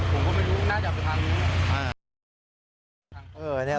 ผมก็ไม่รู้น่าจะลงทางนู้น